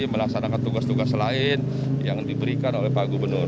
melaksanakan tugas tugas lain yang diberikan oleh pak gubernur